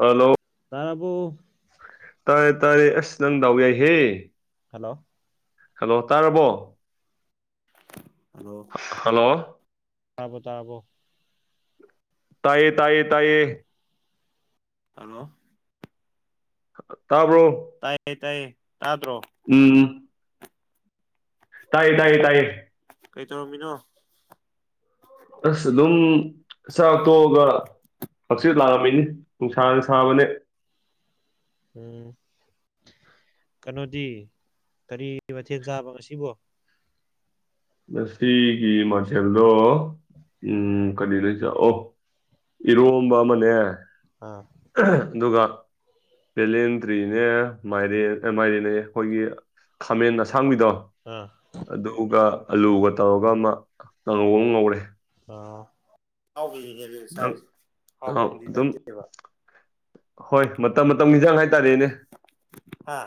hello ꯇꯕꯣ ꯇꯥꯔꯦ ꯇꯥꯔꯦ ꯑꯁ ꯅꯪ ꯗꯥꯎ ꯌꯥꯏꯍꯦ ꯍꯜꯂꯣ ꯍꯜꯂꯣ ꯇꯥꯔꯕꯣ ꯍꯜꯂꯣ ꯍꯜꯂꯣ ꯇꯥꯔꯕꯣ ꯇꯥꯔꯕꯣ ꯇꯥꯏꯌꯦ ꯇꯥꯏꯌꯦ ꯇꯥꯏꯌꯦ ꯍꯜꯂꯣ [inaudible] ꯇꯥꯏꯌꯦ ꯇꯥꯏꯌꯦ ꯇꯗ꯭ꯔꯣ ꯎꯝ ꯇꯥꯏꯌꯦ ꯇꯥꯏꯌꯦ ꯇꯥꯏꯌꯦ ꯀꯩ ꯇꯧꯔꯝꯃꯤꯅꯣ ꯑꯁ ꯑꯗꯨꯝ ꯆꯥꯛꯇꯣꯛꯑꯒ ꯍꯡꯆꯤꯠ ꯂꯥꯛꯑꯝꯃꯤꯅꯤ ꯅꯨꯡꯁꯥꯅ ꯁꯥꯕꯅꯦ ꯎꯝ ꯀꯩꯅꯣꯗꯤ ꯀꯔꯤ ꯃꯊꯦꯜ ꯆꯥꯕ ꯉꯁꯤꯕꯣ ꯉꯁꯤꯒꯤ ꯃꯊꯦꯜꯗꯣ ꯎꯝ ꯀꯔꯤꯅꯣ ꯑꯩꯅ ꯆꯥ ꯑꯣ ꯏꯔꯣꯝꯕ ꯑꯃꯅꯦ ꯑꯥ ꯑꯗꯨꯒ ꯕꯦꯂꯦꯟꯗ꯭ꯔꯤꯅꯦ ꯃꯥꯏꯔꯦꯟ ꯑꯥ ꯃꯥꯏꯔꯦꯟ ꯑꯌꯦ ꯑꯈꯣꯏꯒꯤ ꯈꯥꯃꯦꯟ ꯑꯁꯥꯡ ꯑꯁꯥꯡꯕꯤꯗꯣ ꯑꯥ ꯑꯗꯨꯒ ꯑꯂꯨꯒ ꯇꯧꯔꯒ ꯑꯃ ꯀꯥꯡꯍꯧ ꯑꯃ ꯉꯧꯔꯦ ꯑꯍꯥꯎꯕꯤꯅꯤꯅꯦ ꯅꯪ ꯆꯥꯔꯤꯁꯦ ꯑꯥ ꯍꯥꯎꯇꯕꯤꯗꯤ ꯑꯗꯨꯝ ꯅꯠꯇꯦꯕ ꯍꯣꯏ ꯃꯇꯝ ꯃꯇꯝꯒꯤ ꯏꯟꯁꯥꯡ ꯍꯥꯏꯇꯥꯔꯦꯅꯦ ꯍꯥ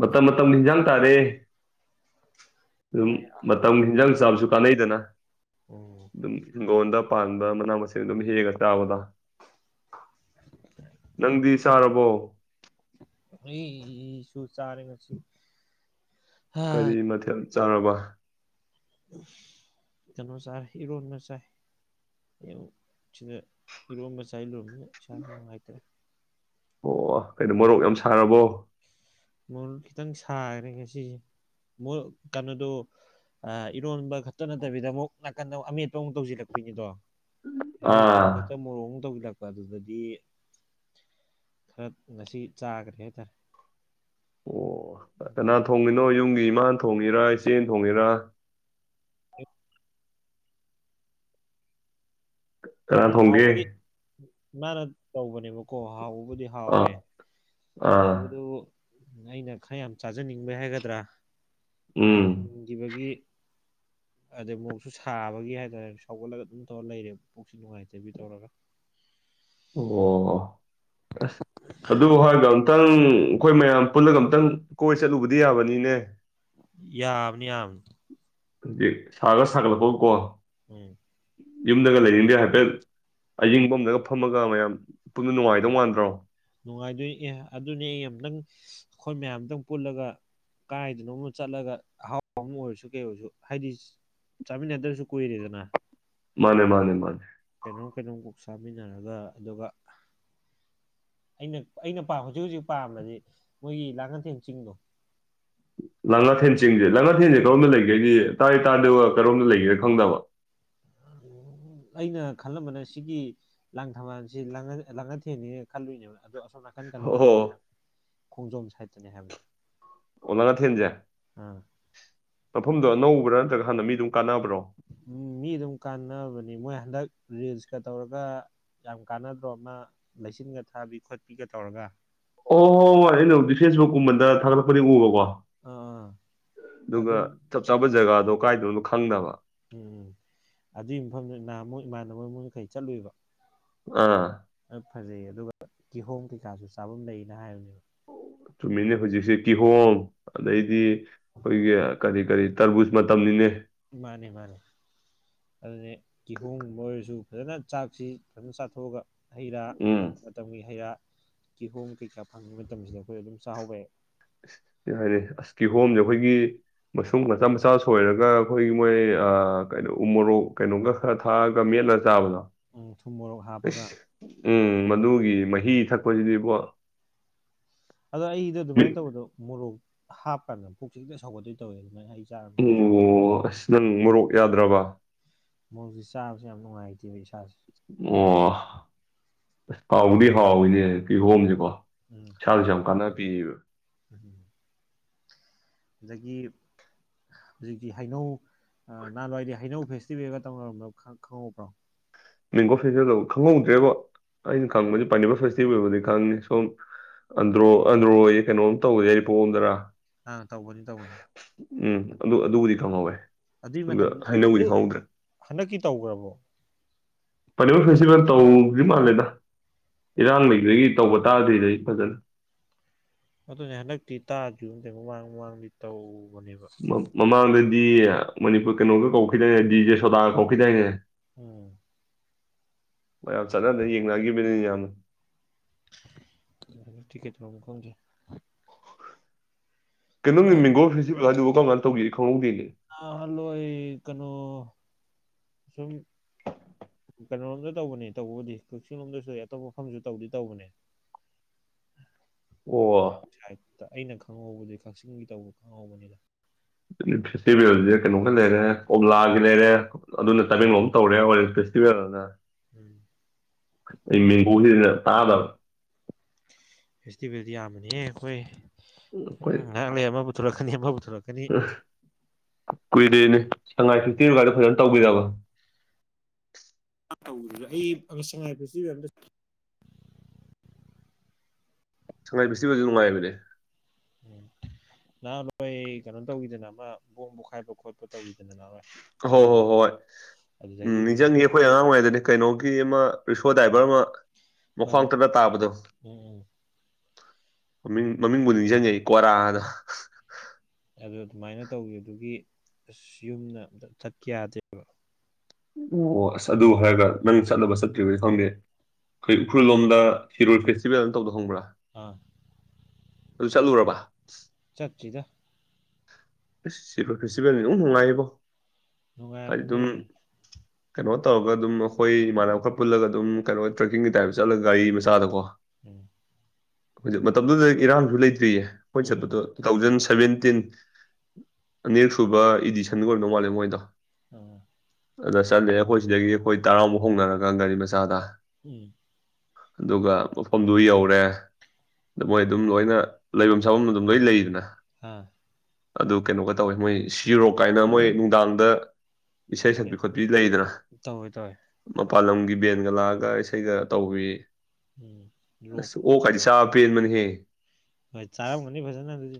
ꯃꯇꯝ ꯃꯇꯝꯒꯤ ꯏꯟꯖꯥꯡ ꯇꯥꯔꯦ ꯑꯗꯨꯝ ꯃꯇꯝꯒꯤ ꯍꯤꯟꯖꯥꯡ ꯆꯥꯕꯁꯨ ꯀꯥꯟꯅꯩꯗꯅ ꯎꯝ ꯑꯗꯨꯝ ꯍꯤꯡꯒꯣꯟꯗ ꯄꯥꯟ ꯃꯥꯅ ꯃꯁꯤꯡ ꯑꯗꯨꯝ ꯍꯦꯛꯑꯒ ꯆꯥꯕꯗꯣ ꯅꯪꯗꯤ ꯆꯥꯔꯕꯣ ꯎꯝ ꯑꯩꯁꯨ ꯆꯔꯦ ꯉꯁꯤ ꯍꯥ ꯀꯔꯤ ꯃꯊꯦꯜ ꯆꯥꯔꯕ ꯀꯩꯅꯣ ꯆꯥꯏ ꯏꯔꯣꯟꯕ ꯆꯥꯏ ꯑꯦ ꯁꯤꯗ ꯏꯔꯣꯝꯕ ꯆꯥꯏ ꯂꯣꯏꯔꯛꯄꯗ ꯏꯁꯥꯁꯨ ꯅꯨꯡꯉꯥꯏꯇ꯭ꯔꯦ ꯑꯣ ꯀꯩꯅꯣ ꯃꯣꯔꯣꯛ ꯌꯥꯝ ꯁꯥꯔꯕꯣ ꯃꯣꯔꯣꯛꯈꯤꯇꯪ ꯁꯥꯈ꯭ꯔꯦ ꯉꯁꯤꯁꯦ ꯃꯣꯔꯣꯛ ꯀꯩꯅꯣꯗꯣ ꯑꯥ ꯏꯔꯣꯟꯕ ꯈꯛꯇ ꯅꯠꯇꯕꯤꯗ ꯑꯃꯨꯛ ꯅꯥꯀꯟꯗ ꯑꯃꯨꯛ ꯑꯃꯦꯠꯄ ꯑꯃꯨꯛ ꯇꯧꯁꯤꯜꯂꯛꯄꯤꯅꯤꯗꯣ ꯃꯣꯔꯣꯛꯀꯤ ꯑꯥ ꯃꯊꯛꯇ ꯃꯣꯔꯣꯛ ꯑꯃꯨꯛ ꯇꯧꯖꯤꯜꯂꯛ ꯑꯗꯨꯗꯗꯤ ꯈꯥꯔ ꯉꯁꯤ ꯆꯥꯈ꯭ꯔꯦ ꯍꯥꯏꯇꯥꯔꯦ ꯑꯣ ꯀꯥꯅ ꯑꯗꯨꯅ ꯊꯣꯡꯉꯤꯅꯣ ꯌꯨꯝꯒꯤ ꯏꯃꯥꯅ ꯊꯣꯡꯉꯤꯔ ꯏꯆꯦꯅ ꯊꯣꯡꯉꯤꯔ ꯀꯥꯅ ꯊꯣꯡꯒꯦ ꯏꯃꯥꯅ ꯇꯧꯕꯅꯦꯕꯀꯣ ꯍꯥꯎꯕꯨꯗꯤ ꯑꯥ ꯍꯥꯎꯋꯦ ꯑꯥ ꯇꯧꯕꯗꯕꯨ ꯑꯩꯅ ꯈꯥꯔ ꯌꯥꯝ ꯆꯥꯖꯅꯤꯡꯕꯩ ꯍꯥꯏꯒꯗ꯭ꯔꯥ ꯎꯝ ꯍꯦꯟꯖꯤꯟꯈꯤꯕꯒꯤ ꯑꯗꯩ ꯃꯣꯔꯣꯛꯁꯨ ꯁꯥꯕꯒꯤ ꯍꯥꯏꯇꯥꯔꯦꯅꯦ ꯁꯧꯒꯠꯂꯒ ꯑꯗꯨꯝ ꯇꯧꯔ ꯂꯩꯔꯦ ꯄꯨꯛꯁꯤ ꯅꯨꯡꯉꯥꯏꯇꯦ ꯕꯤ ꯇꯧꯔꯒ ꯑꯣ ꯑꯁ ꯑꯗꯨ ꯍꯥꯏꯗꯝꯅ ꯃꯨꯛꯇꯪ ꯑꯈꯣꯏ ꯃꯌꯥꯝ ꯄꯨꯜꯂꯒ ꯑꯃꯨꯛꯇꯪ ꯀꯣꯏ ꯆꯠꯂꯨꯕꯗꯤ ꯌꯥꯕꯅꯤꯅꯦ ꯌꯥꯕꯅꯤ ꯌꯥꯕꯅꯤ ꯁꯥꯒ ꯁꯥꯒꯠꯂꯛꯄꯀꯣ ꯎꯝ ꯌꯨꯝꯗꯒ ꯂꯩꯅꯤꯡꯗꯦ ꯍꯥꯏꯐꯦꯠ ꯑꯌꯤꯡꯕꯝꯗꯒ ꯐꯝꯃꯒ ꯃꯌꯥꯝ ꯄꯨꯟꯕ ꯅꯨꯡꯉꯥꯏꯗꯧ ꯃꯥꯟꯗ꯭ꯔꯣ ꯅꯨꯡꯉꯥꯏꯗꯣꯏ ꯑꯦ ꯑꯗꯨꯅꯤ ꯑꯩ ꯑꯃꯨꯛꯇꯪ ꯑꯈꯣꯏ ꯃꯌꯥꯝ ꯑꯃꯇꯪ ꯄꯨꯜꯂꯒ ꯀꯥꯏꯗꯅꯣꯝꯃ ꯆꯠꯂꯒ ꯑꯍꯥꯎ ꯑꯃ ꯑꯣꯏꯔꯁꯨ ꯀꯩ ꯑꯣꯏꯔꯁꯨ ꯍꯥꯏꯗꯤ ꯆꯥꯃꯤꯟꯅꯗꯕꯁꯨ ꯀꯨꯏꯔꯦꯗꯅ ꯃꯥꯟꯅꯦ ꯃꯥꯟꯅꯦ ꯃꯥꯟꯅꯦ ꯀꯩꯅꯣꯝ ꯀꯩꯅꯣꯝ ꯀꯣꯛ ꯆꯥꯃꯤꯟꯅꯔꯒ ꯑꯗꯨꯒ ꯑꯩꯅ ꯑꯩꯅ ꯄꯥꯝ ꯍꯧꯖꯤꯛ ꯍꯧꯖꯤꯛ ꯄꯥꯝꯝꯕꯗꯤ ꯃꯣꯏꯒꯤ ꯂꯥꯡꯉꯟꯊꯦꯝ ꯆꯤꯡꯗꯣ [inaudible] ꯂꯥꯡꯉꯥꯊꯦꯟ ꯆꯤꯡꯁꯦ ꯂꯥꯡꯉꯥꯊꯦꯟꯁꯦ ꯀꯔꯣꯝꯗ ꯂꯩꯒꯦꯗꯤ ꯇꯥꯗꯤ ꯇꯥꯕ ꯀꯔꯣꯝꯗ ꯂꯩꯒꯦꯗꯤ ꯈꯪꯗꯕ [unintelligible] ꯑꯩꯅ ꯈꯜꯂꯝꯕꯅ ꯁꯤꯒꯤ ꯂꯥꯡ ꯊꯝꯕꯥꯜꯁꯤꯥꯡ ꯂꯥꯡꯉꯊꯦꯜꯅ ꯈꯜꯂꯨꯏꯅꯦꯕ ꯑꯗꯣ ꯑꯁꯣꯝ ꯅꯥꯀꯟ ꯑꯣ ꯀꯩꯅꯣꯔꯣꯝꯗꯅꯤ ꯑꯣ ꯍꯥꯏꯕꯅꯦ ꯈꯣꯡꯖꯣꯝ ꯁꯥꯏꯠꯇꯅꯦ ꯍꯥꯏꯕꯅꯤ ꯑꯣ ꯂꯥꯡꯉꯊꯦꯟ ꯁꯦ ꯑꯥ ꯃꯐꯝꯗꯣ ꯑꯅꯧꯕ꯭ꯔꯥ ꯅꯠꯇ꯭ꯔꯒ ꯍꯥꯟꯅ ꯃꯤꯗꯨꯝ ꯀꯥꯟꯅꯕ ꯎꯝ ꯃꯤ ꯗꯨꯝ ꯀꯥꯟꯅꯕꯅꯤ ꯃꯣꯏ ꯍꯟꯗꯛ ꯔꯤꯜꯁꯀ ꯇꯧꯔꯒ ꯌꯥꯝ ꯀꯥꯟꯅꯗ꯭ꯔꯣ ꯑꯃ ꯂꯩꯆꯤꯟꯒ ꯊꯥꯕꯤ ꯈꯣꯠꯄꯤꯒ ꯇꯧꯔꯒ ꯑꯣ ꯑꯣ ꯍꯣꯏ ꯑꯩꯅꯕꯨꯗꯤ ꯐꯦꯁꯕꯨꯛꯀꯨꯝꯕꯗ ꯊꯥꯒꯠꯂꯛꯄꯗꯤ ꯎꯕꯀꯣ ꯑꯥ ꯑꯥ ꯗꯨꯒ ꯑꯗꯨꯝ ꯆꯞ ꯆꯥꯕ ꯖꯒꯥꯗꯣ ꯀꯥꯏꯗꯅꯣꯗꯣ ꯈꯪꯗꯕ ꯎꯝ ꯑꯗꯨꯒꯤ ꯃꯐꯝꯗꯨ ꯅꯍꯥꯟꯃꯨꯛ ꯏꯃꯥꯟꯅꯕ ꯑꯃꯒ ꯈꯣꯏ ꯆꯠꯂꯨꯏꯕ ꯑꯥ ꯐꯖꯩꯌꯦ ꯑꯗꯨꯒ ꯀꯤꯍꯣꯝ ꯀꯩꯀꯥꯁꯨ ꯆꯥꯐꯝ ꯂꯩꯅ ꯍꯥꯏꯕꯅꯦꯕ ꯆꯨꯝꯃꯤꯅꯦ ꯍꯧꯖꯤꯛꯁꯦ ꯀꯤꯍꯣꯝ ꯑꯗꯩꯗꯤ ꯑꯈꯣꯏꯒꯤ ꯀꯔꯤ ꯀꯔꯤ ꯇ꯭ꯔꯕꯨꯖ ꯃꯇꯝꯅꯤꯅꯦ ꯃꯥꯟꯅꯦ ꯃꯥꯟꯅꯦ ꯑꯗꯨꯅꯦ ꯀꯤꯍꯣꯝꯒꯨꯝꯕ ꯑꯣꯏꯔꯁꯨ ꯐꯖꯅ ꯆꯥꯛꯁꯤ ꯐꯖꯅ ꯆꯥꯊꯣꯛꯑꯒ ꯍꯩ ꯔꯥ ꯎꯝ ꯃꯇꯝ ꯃꯇꯝꯒꯤ ꯍꯩꯔꯥ ꯀꯤꯍꯣꯝ ꯀꯩꯀꯥ ꯐꯪꯉꯤꯕ ꯃꯇꯝꯁꯤꯗ ꯑꯈꯣꯏ ꯑꯗꯨꯝ ꯆꯥꯍꯧꯕ ꯌꯥꯏ ꯑꯁ ꯌꯥꯏꯌꯦ ꯑꯁꯀꯤꯍꯣꯝꯁꯦ ꯑꯈꯣꯏꯒꯤ ꯃꯁꯨꯡ ꯃꯆꯥ ꯃꯆꯥ ꯁꯣꯏꯔꯒ ꯑꯈꯣꯏꯒꯤ ꯃꯣꯏ ꯀꯩꯅꯣ ꯎ ꯃꯣꯔꯣꯛ ꯀꯩꯅꯣꯒ ꯈꯥꯔ ꯊꯥꯛꯑꯒ ꯃꯦꯠ [unintelligible] ꯆꯥꯕꯗꯣ ꯎꯝ ꯊꯨꯝ ꯃꯣꯔꯣꯛ ꯍꯥꯞꯄꯒ ꯑꯁ ꯎꯝ ꯃꯗꯨꯒꯤ ꯃꯍꯤ ꯊꯛꯄꯁꯤꯗꯤꯕꯣ ꯑꯗꯣ ꯑꯩꯗꯣ ꯑꯗꯨꯃꯥꯏꯅ ꯃꯤꯠ ꯇꯧꯕꯗꯣ ꯃꯣꯔꯣꯛ ꯍꯥꯞꯀꯥꯟꯗ ꯄꯨꯛꯁꯤ ꯍꯦꯛꯇ ꯁꯧꯒꯠꯇꯣꯏ ꯇꯧꯋꯦ ꯑꯗꯨꯃꯥꯏꯅ ꯑꯩ ꯑꯣ ꯑꯁ ꯅꯪ ꯃꯣꯔꯣꯛ ꯌꯥꯗ꯭ꯔꯕ ꯃꯣꯔꯣꯛꯁꯦ ꯆꯥꯕꯁꯦ ꯌꯥꯝ ꯅꯨꯡꯉꯥꯏꯇꯦꯕ ꯏꯁꯥꯁꯦ ꯑꯣ ꯍꯥꯎꯕꯨꯗꯤ ꯍꯥꯎꯋꯤꯅꯦ ꯀꯤꯍꯣꯝꯁꯦꯀꯣ ꯎꯝ ꯍꯥꯎ ꯏꯁꯥꯗꯁꯨ ꯌꯥꯝ ꯀꯥꯟꯅꯕ ꯄꯤꯕ ꯎꯝ ꯑꯗꯒꯤ ꯍꯧꯖꯤꯛꯇꯤ ꯍꯩꯅꯧ ꯅꯍꯥꯟꯋꯥꯏꯗꯤ ꯍꯩꯅꯧ ꯐꯦ ꯇꯤꯕꯦꯟꯒ ꯇꯧꯅꯔꯝ ꯈꯪꯍꯧꯕ꯭ꯔꯣ ꯃꯦꯡꯒꯣ ꯐꯦꯁꯇꯤꯚꯦꯜ ꯈꯪꯍꯧꯗ꯭ꯔꯦꯕ ꯑꯩꯅ ꯈꯪꯕꯗꯤ ꯄꯥꯏꯅꯤꯄꯜ ꯐꯦꯁꯇꯤꯚꯦꯜ ꯕꯨꯗꯤ ꯈꯪꯉꯦ ꯁꯣꯝ ꯑꯟꯗ꯭ꯔꯣ ꯑꯟꯗ꯭ꯔꯣꯌꯦ ꯀꯩꯅꯣꯝ ꯇꯧꯕꯁꯦ ꯄꯣꯝꯗꯔ ꯑꯥ ꯇꯧꯕꯅꯦ ꯇꯧꯕꯅꯦ ꯎꯝ ꯑꯗꯨ ꯑꯗꯨꯕꯨꯗꯤ ꯈꯪꯍꯧꯋꯦ ꯑꯗꯨꯏ ꯑꯗꯨꯒ ꯃꯇꯝ ꯍꯩꯅꯧꯕꯨꯗꯤ ꯑꯗꯨ ꯈꯪꯍꯧꯗ꯭ꯔꯦ ꯍꯟꯗꯛꯀꯤ ꯇꯧꯒ꯭ꯔꯕꯣ ꯄꯥꯏꯅꯦꯄꯜ ꯐꯦꯁꯇꯤꯚꯦꯜ ꯇꯧꯗ꯭ꯔꯤꯕ ꯃꯥꯜꯂꯦꯗ ꯏꯔꯥꯡ ꯂꯩꯕꯒꯤ ꯇꯧꯕ ꯇꯥꯗ꯭ꯔꯤꯗ ꯑꯩ ꯐꯖꯅ ꯑꯗꯨꯅꯦ ꯍꯟꯗꯛꯇꯤ ꯇꯥꯗ꯭ꯔꯤ ꯃꯃꯥꯡ ꯃꯃꯥꯡꯗꯤ ꯇꯧ ꯃꯃꯥꯡꯗꯗꯤ ꯃꯅꯤꯄꯨꯔ ꯀꯩꯅꯣꯒ ꯀꯧꯈꯤꯗꯥꯏꯅꯦ ꯗꯤ ꯖꯦ ꯁꯣꯗꯥꯒ ꯀꯧꯈꯤꯗꯥꯏꯅꯦ ꯎꯝ ꯃꯌꯥꯝ ꯆꯠꯅꯗ ꯌꯦꯡꯅꯒꯤꯈꯤꯕꯅꯤ ꯌꯥꯝꯅ ꯀꯩ ꯀꯩ ꯇꯧꯕ ꯈꯪꯗꯦ ꯀꯩꯅꯣꯅꯤ ꯃꯦꯡꯒꯣ ꯐꯦꯁꯇꯤꯚꯦꯜ ꯍꯥꯏꯗꯨꯕꯨ ꯀꯝꯀꯟ ꯇꯧꯒꯦ ꯈꯪꯍꯧꯗꯦꯅꯤ ꯅꯍꯥꯜꯋꯥꯏ ꯀꯩꯅꯣ ꯁꯨꯝ ꯀꯩꯅꯣꯂꯣꯝꯗ ꯇꯧꯕꯅꯦ ꯇꯧꯕꯕꯨꯗꯤ ꯀꯛꯆꯤꯡ ꯂꯣꯝꯗꯁꯨ ꯑꯇꯣꯞꯄ ꯃꯐꯝꯁꯨ ꯇꯧꯗꯤ ꯇꯧꯕꯅꯦ [inaudible] ꯑꯣ ꯁꯥꯏꯠꯇ ꯑꯩꯅ ꯈꯪꯍꯧꯕꯗꯤ ꯀꯛꯆꯤꯡꯒꯤ ꯇꯧꯕ ꯈꯪꯍꯧꯕꯅꯤꯗ ꯐꯦꯁꯇꯤꯚꯦꯜꯁꯤꯗ ꯀꯩꯅꯣꯒ ꯂꯩꯔꯦ ꯀꯣꯝꯂꯥꯒꯤ ꯂꯩꯔꯦ ꯑꯗꯨꯅ ꯇꯃꯦꯡꯂꯣꯝ ꯇꯧꯔꯦ ꯑꯣꯏꯔꯦꯜ ꯐꯦꯁꯇꯤ ꯚꯦꯜꯅ ꯎꯝ ꯃꯦꯡꯒꯣꯁꯤꯗ ꯑꯍꯥꯟꯕ ꯐꯦꯁꯇꯤꯚꯦꯜꯗꯤ ꯌꯥꯝꯕꯅꯤꯍꯦ ꯑꯩꯈꯣꯏ ꯑꯩꯈꯣꯏ ꯉꯥꯏꯍꯥꯛ ꯂꯩ ꯑꯃ ꯃꯨꯛ ꯊꯣꯛꯂꯛꯀꯅꯤ ꯑꯃ ꯃꯨꯛ ꯄꯨꯔꯛꯀꯅꯤ ꯀꯨꯏꯗꯦꯅꯦ ꯁꯉꯥꯏ ꯐꯦꯁꯇꯤꯕ ꯀꯥꯏꯗꯣ ꯐꯖꯅ ꯇꯧꯒꯤꯗꯕ ꯇꯧꯔꯁꯨ ꯑꯩ ꯁꯉꯥꯏ ꯐꯦꯁꯇꯤꯚꯦꯜꯗ ꯑꯃꯇ ꯁꯉꯥꯏ ꯐꯦꯁꯇꯤꯚꯦꯜꯁꯨ ꯅꯨꯡꯉꯥꯏꯕꯅꯦ ꯎꯝ ꯅꯍꯥꯟꯔꯣꯏ ꯀꯩꯅꯣ ꯇꯧꯈꯤꯗꯅ ꯑꯃ ꯕꯣꯝ ꯄꯣꯈꯥꯏꯕ ꯈꯣꯠꯄ ꯇꯧꯈꯤꯗꯅ ꯅꯍꯥꯟꯋꯥꯢ ꯍꯣꯏ ꯍꯣꯏ ꯍꯣꯏ ꯍꯣꯏ ꯎꯝ ꯅꯤꯡꯁꯪꯉꯤ ꯍꯧꯖꯤꯛꯐꯥꯎ ꯑꯩꯈꯣꯏ ꯑꯉꯥꯡ ꯑꯣꯏꯔꯤꯉꯩꯗꯅꯦ ꯀꯩꯅꯣꯒꯤ ꯑꯃ ꯔꯤꯁꯣ ꯗꯥꯏꯚꯔ ꯑꯃ ꯃꯈ꯭ꯋꯥꯡ ꯂꯣꯏꯅꯃꯛ ꯇꯠꯂ ꯇꯥꯕꯗꯣ ꯎꯝ ꯎꯝ ꯃꯃꯤꯡ ꯃꯃꯤꯡꯕꯨꯗꯤ ꯅꯤꯡꯁꯤꯡꯉꯛꯏ ꯀꯤꯔꯥꯗꯣ ꯑꯗꯨ ꯑꯗꯨꯃꯥꯏꯅ ꯇꯧꯈꯤꯕꯗꯨꯒꯤ ꯑꯁ ꯌꯨꯝꯅ ꯑꯃꯇ ꯆꯠꯀꯦ ꯌꯥꯗꯦꯕ ꯑꯣ ꯑꯁ ꯑꯗꯨ ꯍꯥꯏꯔꯒ ꯅꯪ ꯆꯠꯂꯕ ꯆꯠꯇ꯭ꯔꯤꯕꯗꯤ ꯈꯪꯗꯦ ꯑꯩꯈꯣꯏ ꯎꯈ꯭ꯔꯨꯜ ꯂꯣꯝꯗ [unintelligible] ꯐꯦꯁꯇꯤꯕꯦꯜꯅ ꯇꯧꯕꯗꯣ ꯈꯪꯕ꯭ꯔꯥ ꯑꯥ ꯑꯗꯨ ꯆꯠꯂꯨꯔꯕ ꯆꯠꯇ꯭ꯔꯤꯗ ꯏꯁ ꯁꯤꯔꯣꯏ ꯐꯦꯁꯇꯤꯚꯦꯜꯅ ꯢꯅꯨꯡ ꯅꯨꯡꯉꯥꯏ ꯏꯕꯣ ꯅꯨꯡꯉꯥꯏꯔꯝꯒꯅꯤꯌꯦ ꯀꯩꯅꯣ ꯇꯧꯔꯒ ꯑꯗꯨꯝ ꯑꯩꯈꯣꯏ ꯏꯃꯥꯟꯅꯕ ꯈꯔ ꯄꯨꯜꯂꯒ ꯑꯗꯨꯝ ꯀꯩꯅꯣ ꯇ꯭ꯔꯦꯛꯀꯤꯡꯒꯤ ꯇꯥꯏꯞꯇ ꯆꯠꯂꯒ ꯒꯥꯔꯤ ꯃꯆꯥꯗꯀꯣ ꯎꯝ ꯍꯧꯖꯤꯛ ꯃꯇꯝꯗꯨꯗ ꯏꯔꯥꯡꯁꯨ ꯂꯩꯇ꯭ꯔꯤꯌꯦ ꯈꯣꯏ ꯆꯠꯄꯗꯣ ꯎꯝ ꯇꯨ ꯊꯥꯎꯖꯟ ꯁꯥꯚꯦꯟꯇꯤꯟ ꯑꯅꯤꯔꯛ ꯁꯨꯕ ꯏꯗꯤꯁꯟꯒ ꯑꯣꯏꯔꯝꯗꯧ ꯃꯥꯜꯂꯦ ꯃꯣꯏꯗꯣ ꯎꯝ ꯑꯗ ꯆꯠꯂꯦ ꯑꯩꯈꯣꯏ ꯁꯤꯗꯒꯤ ꯑꯩꯈꯣꯏ ꯇꯔꯥꯃꯨꯛ ꯍꯧꯅꯔꯒ ꯒꯥꯔꯤ ꯃꯆꯥꯗ ꯎꯝ ꯑꯗꯨꯒ ꯃꯐꯝꯗꯨ ꯌꯧꯔꯦ ꯑꯗ ꯃꯣꯏ ꯑꯗꯨꯝ ꯂꯣꯏꯅ ꯂꯩꯕꯝ ꯁꯥꯕꯝ ꯑꯗꯨꯝ ꯂꯣꯏ ꯂꯩꯗꯅ ꯑꯥ ꯑꯗꯨ ꯀꯩꯅꯣꯒ ꯇꯧꯋꯦ ꯃꯣꯏ ꯁꯤꯔꯣꯛ ꯀꯥꯏꯅ ꯃꯣꯏ ꯅꯨꯡꯗꯥꯡꯗ ꯏꯁꯩ ꯍꯣꯏ ꯁꯛꯄꯤ ꯈꯣꯠꯄꯤ ꯂꯩꯗꯅ ꯇꯧꯋꯦ ꯇꯧꯋꯦ ꯃ ꯄꯥꯜꯂꯝꯒꯤ ꯕꯦꯟꯒ ꯂꯥꯛꯑꯒ ꯏꯁꯩꯒ ꯇꯧꯕꯤ ꯎꯝ ꯂꯣꯛ ꯑꯁ ꯑꯣꯛ ꯀꯥꯏꯗꯤ ꯆꯥꯕ ꯄꯦꯟꯕꯅꯤꯍꯦ ꯍꯣꯏ ꯆꯔꯥꯝꯒꯅꯤ ꯐꯖꯅ ꯑꯗꯨꯗꯤ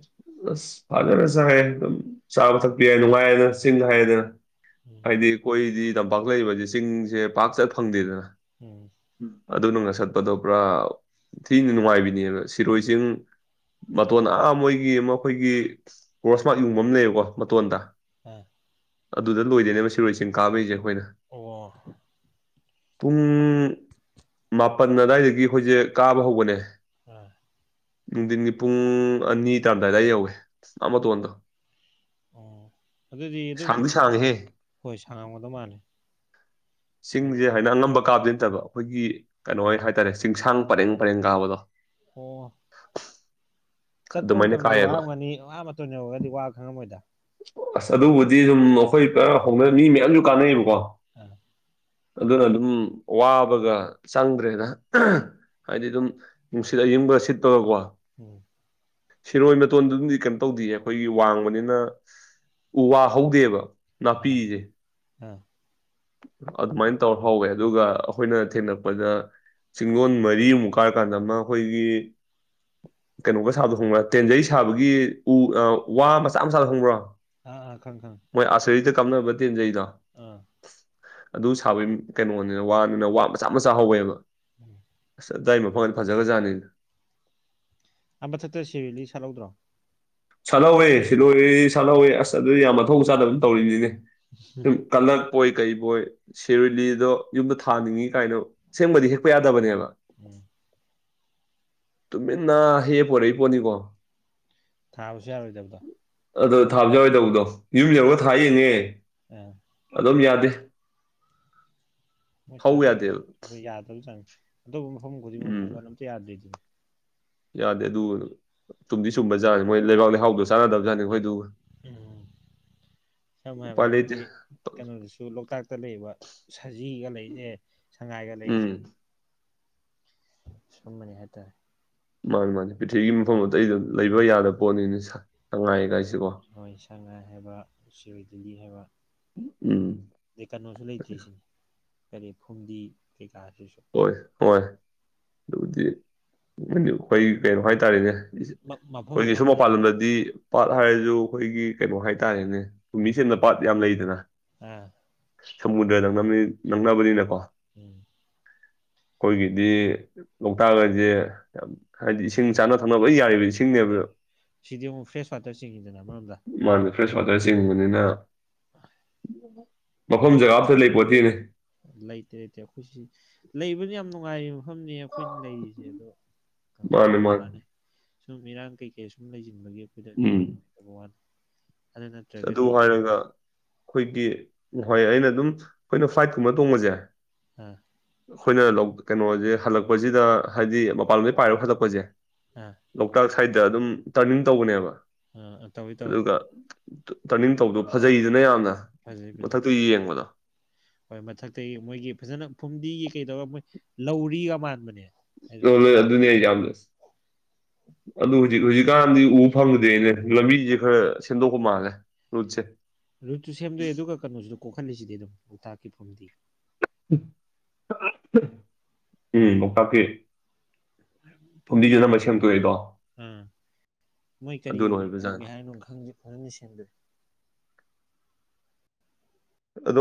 ꯑꯁ ꯐꯖꯅ ꯆꯥꯏꯌꯦ ꯑꯗꯨꯝ ꯆꯥꯕ ꯊꯛꯄꯤ ꯅꯨꯡꯉꯥꯏꯌꯦꯗꯅ ꯆꯤꯡꯗ ꯍꯥꯏꯔꯦꯗꯅ ꯎꯝ ꯍꯥꯏꯗꯤ ꯑꯩꯈꯣꯏꯗꯤ ꯇꯝꯄꯥꯛ ꯂꯩꯕꯁꯦ ꯆꯤꯡꯁꯦ ꯄꯥꯛ ꯆꯠ ꯐꯪꯗꯦꯗꯅ ꯎꯝ ꯑꯗꯨꯅ ꯉꯁꯠꯄꯗꯣ ꯄꯨꯔꯥ ꯊꯤꯅ ꯅꯨꯡꯉꯥꯏꯕꯤꯅꯦꯕ ꯁꯤꯔꯣꯏ ꯆꯤꯡ ꯃꯇꯣꯟ ꯑꯥ ꯃꯣꯏꯒꯤ ꯑꯃ ꯑꯩꯈꯣꯏꯒꯤ ꯀ꯭ꯔꯣꯁꯃꯔꯥꯛ ꯌꯨꯡꯕ ꯑꯃ ꯂꯩꯌꯦꯕꯀꯣ ꯃꯇꯣꯟꯗ ꯑ ꯑꯗꯨꯗ ꯂꯣꯏꯗꯣꯏꯅꯦꯕ ꯁꯤꯔꯣꯏ ꯆꯤꯡ ꯀꯥꯕꯩꯁꯦ ꯑꯩꯈꯣꯏꯅ ꯑꯣ ꯄꯨꯡ ꯃꯥꯄꯟ ꯑꯗꯥꯏꯗꯒꯤ ꯑꯩꯈꯣꯏꯁꯦ ꯀꯥꯕ ꯍꯧꯕꯅꯦ ꯑ ꯅꯨꯡꯗꯤꯟꯒꯤ ꯄꯨꯡ ꯑꯅꯤ ꯇꯥꯔꯝꯗꯥꯏꯗ ꯌꯧꯋꯦ ꯑꯥ ꯃꯇꯣꯟꯗꯣ ꯎꯝ ꯑꯗꯨꯗꯤ ꯑꯗꯨꯝ ꯁꯥꯡꯗꯤ ꯁꯥꯡꯉꯤꯍꯦ ꯍꯣꯏ ꯁꯥꯡꯉꯝꯒꯗ ꯃꯥꯜꯂꯦ ꯍꯥꯏꯗꯤ ꯆꯤꯡꯁꯦ ꯍꯥꯏꯅ ꯑꯉꯝꯕ ꯀꯥꯕꯗꯤ ꯅꯠꯇꯕ ꯑꯩꯈꯣꯏꯒꯤ ꯀꯩꯅꯣ ꯍꯥꯏꯇꯥꯔꯦ ꯆꯤꯡꯁꯥꯡ ꯄꯔꯦꯡ ꯄꯔꯦꯡ ꯀꯥꯕꯗꯣ ꯑꯣ ꯆꯠꯄ ꯑꯗꯨꯃꯥꯏꯅ ꯃꯇꯝꯗꯗꯤ ꯀꯥꯏꯌꯦꯕ ꯋꯥꯔꯝꯒꯅꯤ ꯑꯥ ꯃꯇꯣꯟ ꯌꯧꯔꯒꯗꯤ ꯋꯥ ꯈꯪꯉꯝꯃꯣꯏꯗ ꯑꯁ ꯑꯗꯨꯕꯨꯗꯤ ꯁꯨꯝ ꯑꯩꯈꯣꯏ ꯄꯥ ꯍꯧꯅ ꯃꯤ ꯃꯌꯥꯝꯁꯨ ꯀꯥꯟꯅꯩꯕꯀꯣ ꯑꯥ ꯑꯗꯨꯅ ꯑꯗꯨꯝ ꯋꯥꯕꯒ ꯆꯪꯗ꯭ꯔꯦꯗ ꯍꯥꯏꯗꯤ ꯑꯗꯨꯝ ꯅꯨꯡꯁꯤꯠ ꯑꯋꯤꯡꯕ ꯁꯤꯠꯄꯒꯀꯣ ꯎꯝ ꯁꯤꯔꯣꯏ ꯃꯇꯣꯟꯗꯨꯝꯗꯤ ꯀꯩꯝ ꯇꯧꯗꯤꯌꯦ ꯑꯩꯈꯣꯏꯒꯤ ꯋꯥꯡꯕꯅꯤꯅ ꯎ ꯋꯥ ꯍꯧꯗꯦꯕ ꯑꯥ ꯅꯥꯄꯤꯁꯦ ꯑꯥ ꯑꯗꯨꯃꯥꯏꯅ ꯇꯧꯔ ꯍꯧꯎꯋꯦ ꯑꯗꯨꯒ ꯑꯩꯈꯣꯏꯅ ꯊꯦꯡꯅꯔꯛꯄꯗ ꯆꯤꯡꯂꯣꯟ ꯃꯔꯤꯃꯨꯛ ꯀꯥꯔꯀꯥꯟꯗ ꯑꯃ ꯑꯩꯈꯣꯏꯒꯤ [inaudible] [unintelligible] ꯀꯩꯅꯣꯒ ꯁꯥꯕꯗꯣ ꯈꯪꯡꯕ꯭ꯔꯥ ꯇꯦꯟꯖꯩ ꯁꯥꯕꯒꯤ ꯎ ꯋꯥ ꯃꯆꯥ ꯃꯆꯥꯗ ꯈꯪꯕ꯭ꯔꯣ ꯑꯥ ꯑꯥ ꯈꯪꯑꯦ ꯈꯪꯑꯦ ꯃꯣꯏ ꯑꯥꯔꯆꯔꯤꯗ ꯀꯥꯞꯅꯕ ꯇꯤꯟꯖꯩꯗꯣ ꯑꯗꯨ ꯁꯥꯕꯒꯤ ꯀꯩꯅꯣꯅꯦ ꯋꯥꯅꯤꯅ ꯋꯥ ꯃꯆꯥ ꯃꯆꯥ ꯍꯧꯋꯦꯕ ꯎꯝ ꯗꯥꯢ ꯃꯐꯝꯒꯗꯤ ꯐꯖꯈ꯭ꯔꯥ ꯖꯥꯠꯅꯤꯗ ꯑꯥ ꯃꯊꯛꯇ ꯁꯤ ꯔꯣꯢ ꯂꯤꯂꯤ ꯁꯥꯠꯍꯧꯗ꯭ꯔꯣ ꯁꯥꯠꯍꯧꯋꯦ ꯁꯤꯜꯂꯣꯏ ꯂꯤꯂꯤ ꯁꯥꯠꯍꯧꯋꯦ ꯑꯁ ꯑꯗꯨꯗꯤ ꯌꯥꯝ ꯃꯊꯣꯡ ꯆꯥꯗꯕ ꯇꯧꯔꯤꯅꯤꯅꯦ ꯎꯝ ꯇꯥꯂꯛ ꯄꯣꯏ ꯀꯩ ꯕꯣꯏ ꯁꯤꯔꯣꯢ ꯂꯤꯂꯤꯗꯣ ꯌꯨꯝꯗ ꯊꯥꯅꯤꯡꯉꯤ ꯀꯥꯏꯅ ꯁꯦꯡꯕꯗꯤ ꯍꯦꯛꯄ ꯌꯥꯗꯕꯅꯦꯕ ꯎꯝ ꯇꯨꯃꯤꯟ ꯅꯥ ꯍꯦꯛ ꯑꯒ ꯄꯣꯔꯛ ꯏꯄꯣꯠꯅꯤꯀꯣ [unintelligible] ꯌꯥꯔꯣꯢꯗꯕꯗ ꯑꯗꯣ ꯊꯥꯕꯁꯨ ꯌꯥꯔꯣꯏꯗꯧꯗꯣ ꯌꯨꯝ ꯌꯧꯔꯒ ꯊꯥ ꯌꯦꯡꯉꯦ ꯑꯥ ꯑꯗꯨꯝ ꯌꯥꯗꯦ ꯃꯣꯏ ꯍꯧ ꯌꯥꯗꯦꯕ ꯆꯥꯅꯟꯗꯣ ꯌꯥꯗꯕ ꯖꯥꯠꯅꯦ ꯑꯇꯣꯞꯄ ꯃꯐꯝ ꯈꯨꯗꯤꯡꯃꯛ ꯎꯝ ꯄꯨꯕ ꯀꯥꯟꯗ ꯑꯝꯇ ꯌꯥꯗ꯭ꯔꯤꯁꯦ ꯌꯥꯗꯦ ꯑꯗꯨ ꯆꯨꯝꯗꯤ ꯁꯨꯝꯕꯖꯥꯠꯅꯤ ꯃꯣꯏ ꯂꯩꯕꯥꯛ ꯂꯩꯍꯥꯎꯗꯣ ꯆꯥꯟꯅꯗꯕꯖꯥꯠꯅꯤ ꯑꯩꯈꯣꯏꯗꯨꯒ ꯎꯝ ꯁꯝꯅ ꯎꯄꯥꯏ ꯍꯥꯏꯔꯕꯗ ꯂꯩꯇꯦ ꯑꯩꯈꯣꯏ ꯀꯩꯅꯣꯗꯨꯁꯨ ꯂꯣꯛꯇꯥꯛ ꯇ ꯂꯩꯕ ꯁꯖꯤꯒ ꯂꯩꯔꯤꯁꯦ ꯁꯉꯥꯏꯒ ꯂꯩꯔꯤꯁꯦ ꯎꯝ ꯁꯨꯝꯃꯅꯤ ꯍꯥꯏꯇꯥꯔꯦ ꯃꯥꯅꯤ ꯃꯥꯅꯤ ꯄ꯭ꯔꯤꯊꯤꯕꯤꯒꯤ ꯃꯐꯝ ꯑꯇꯩꯗ ꯂꯩꯕ ꯌꯥꯗꯕ ꯄꯣꯠꯅꯤꯅꯦ ꯁꯉꯥꯏꯒꯥꯏꯁꯦ ꯍꯣꯏ ꯁꯉꯥꯏ ꯍꯥꯏꯕ ꯁꯤꯔꯣꯏ ꯂꯤꯂꯤ ꯍꯥꯏꯕ ꯎꯝ ꯑꯗꯩ ꯀꯩꯅꯣꯁꯨ ꯂꯩꯇ꯭ꯔꯤꯁꯤꯅꯤ ꯀꯔꯤ ꯐꯨꯝꯗꯤ ꯀꯩꯀꯥꯁꯤꯁꯨ ꯍꯣꯏ ꯍꯣꯏ ꯑꯗꯨꯕꯨꯗꯤ ꯑꯩꯈꯣꯏ ꯀꯩꯅꯣ ꯍꯥꯏꯇꯥꯔꯦꯅꯦ ꯃꯐꯝ ꯑꯩꯈꯣꯏꯒꯤ ꯁꯨꯝ ꯃꯐꯝꯗ ꯃꯄꯥꯟ ꯂꯝꯗꯗꯤ ꯄꯥꯠ ꯍꯥꯏꯔꯁꯨ ꯑꯩꯈꯣꯏꯒꯤ ꯀꯩꯅꯣ ꯍꯥꯏꯇꯥꯔꯦꯅꯦ ꯐꯨꯝꯕꯤ ꯁꯦꯝꯕ ꯄꯥꯠ ꯌꯥꯝ ꯂꯩꯗꯅ ꯑꯥ ꯁꯥꯃꯨꯗ꯭ꯔꯥ ꯅꯛꯅꯕꯅꯤ ꯅꯛꯅꯕꯅꯤꯅꯀꯣ ꯎꯝ ꯑꯩꯈꯣꯏꯒꯤꯗꯤ ꯂꯣꯛꯇꯥꯛ ꯍꯥꯏꯁꯦ ꯌꯥꯝ ꯍꯥꯏꯗꯤ ꯏꯁꯤꯡ ꯆꯥꯅ ꯊꯛꯅꯕ ꯂꯣꯏ ꯌꯥꯔꯤꯕ ꯏꯁꯤꯡ ꯍꯣꯏ ꯁꯤꯗꯤ ꯑꯃꯨꯛ ꯐ꯭ꯔꯦꯁ ꯋꯥꯇꯔ ꯆꯤꯡꯉꯤꯗꯅ ꯑꯃꯔꯣꯝꯗ ꯃꯥꯅ ꯐ꯭ꯔꯦꯁ ꯋꯥꯇꯔ ꯆꯤꯡꯕꯅꯤꯅ ꯃꯐꯝ ꯖꯒꯥ ꯑꯝꯇ ꯂꯩꯄꯣꯠꯇꯦꯅꯦ ꯂꯩꯇꯦ ꯂꯩꯇꯦ ꯑꯩꯈꯣꯏꯁꯤ ꯂꯩꯕꯗꯤ ꯌꯥꯝ ꯅꯨꯡꯉꯥꯏ ꯃꯐꯝꯅꯦ ꯑꯩꯈꯣꯏꯅ ꯂꯩꯔꯤꯁꯦ ꯑꯗꯣ ꯀꯩꯅꯣ ꯇꯧꯕ ꯃꯥꯅꯦ ꯁꯨꯝ ꯏꯔꯥꯡ ꯀꯩꯀꯩ ꯁꯨꯝ ꯂꯩꯖꯦ ꯑꯗꯨꯨꯝꯕꯒꯤ ꯑꯩꯈꯣꯏꯗ [unintelligible] ꯑꯗꯨ ꯑꯁ ꯑꯗꯨ ꯅꯠꯇ꯭ꯔꯒꯗꯤ ꯍꯥꯏꯔꯒ ꯑꯩꯈꯣꯏꯗꯤ ꯅꯍꯥꯋꯥꯏ ꯑꯩꯅ ꯑꯗꯨꯝ ꯑꯩꯈꯣꯏꯅ ꯐ꯭ꯂꯥꯏꯠ ꯀꯨꯝꯕ ꯇꯣꯡꯕꯁꯦ ꯎꯝ ꯑꯩꯈꯣꯏꯅ ꯂꯣꯛ ꯀꯩꯅꯣꯁꯦ ꯍꯜꯂꯛꯄꯁꯤꯗ ꯍꯥꯏꯗꯤ ꯃꯄꯥꯟꯂꯣꯝꯗꯒꯤ ꯄꯥꯏꯔꯒ ꯍꯜꯂꯛꯄꯁꯦ ꯑꯥ ꯂꯣꯛꯇꯥꯛ ꯁꯥꯏꯗ ꯑꯗꯨꯝ ꯇꯔꯅꯤꯡ ꯇꯧꯕꯅꯦꯕ ꯑ ꯇꯧꯋꯦ ꯇꯧꯋꯦ ꯑꯗꯨꯒ ꯇꯔꯅꯤꯡ ꯇꯧꯕꯗꯣ ꯐꯖꯩꯗꯅ ꯌꯥꯝꯅ ꯐꯖꯩ ꯐꯖꯩ ꯃꯊꯛꯇꯩ ꯌꯦꯡꯕꯗꯣ ꯍꯣꯏ ꯃꯊꯛꯇꯒꯤ ꯃꯣꯏꯒꯤ ꯐꯖꯅ ꯐꯨꯝꯗꯤꯒꯤ ꯀꯩꯗꯧꯔꯒ ꯃꯣꯏ ꯂꯧꯔꯤꯒ ꯃꯥꯟꯕꯅꯦ ꯂꯣꯏ ꯔꯥꯎꯟ ꯂꯣꯏ ꯔꯥꯎꯟꯅꯦ ꯑꯗꯨꯅꯤ ꯌꯥꯝ ꯑꯗꯨꯕꯨꯗꯤ ꯍꯧꯖꯤꯛꯀꯥꯟ ꯍꯧꯖꯤꯛꯀꯥꯟ ꯎꯕ ꯐꯪꯗꯦꯅꯦ ꯂꯝꯕꯤꯁꯦ ꯈꯥꯔ ꯁꯦꯝꯗꯣꯛꯄ ꯃꯥꯜꯂꯦ ꯔꯨꯠꯁꯦ ꯔꯨꯠꯁꯨ ꯁꯦꯝꯗꯣꯛꯑꯦ ꯑꯗꯨꯒ ꯀꯩꯅꯣꯁꯨ ꯀꯣꯠꯈꯠꯂꯤꯁꯤꯗꯤ ꯑꯗꯨꯝ ꯂꯣꯛꯇꯥꯛꯀꯤ ꯐꯨꯝꯗꯤ ꯎꯝ ꯂꯣꯛꯇꯥꯛꯀꯤ ꯐꯨꯝꯗꯤꯁꯦ ꯑꯅꯃꯕꯅ ꯁꯦꯡꯗꯣꯛꯑꯦꯀꯣ ꯎꯝ ꯃꯣꯏ ꯀꯔꯤ ꯑꯗꯨꯅ ꯑꯣꯏꯅ ꯇꯧꯒꯦ ꯑꯣꯏꯕꯖꯥꯠꯅꯤ ꯍꯥꯏꯅꯣ ꯈꯪꯗꯦ ꯐꯖꯅ ꯁꯦꯝꯗꯣꯛꯑꯦ ꯑꯗꯣ